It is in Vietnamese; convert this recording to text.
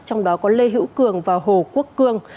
trong đó có lê hữu cường và hồ quốc cương